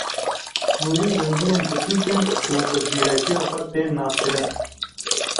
Mûrî zîndiyên biçûk in û bi zîrekiya xwe tên naskirin.